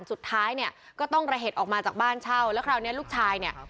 สุดท้ายเนี่ยก็ต้องระเหตุออกมาจากบ้านเช่าแล้วคราวนี้ลูกชายเนี่ย